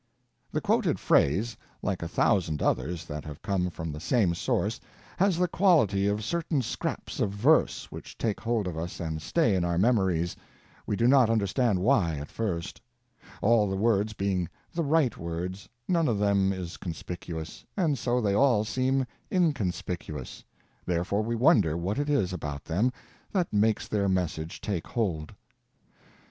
The quoted phrase, like a thousand others that have come from the same source, has the quality of certain scraps of verse which take hold of us and stay in our memories, we do not understand why, at first: all the words being the right words, none of them is conspicuous, and so they all seem inconspicuous, therefore we wonder what it is about them that makes their message take hold.